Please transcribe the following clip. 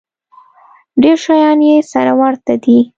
ډېر شیان یې سره ورته دي.